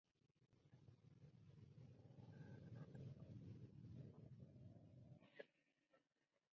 Su distribución puede ser tanto terrestre como acuática.